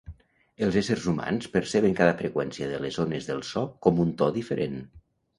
Els éssers humans perceben cada freqüència de les ones del so com un to diferent.